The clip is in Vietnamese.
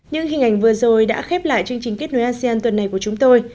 những hình ảnh vừa rồi đã khép lại chương trình kết nối asean tuần này của chúng tôi